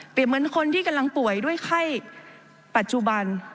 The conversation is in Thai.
เหมือนคนที่กำลังป่วยด้วยไข้ปัจจุบัน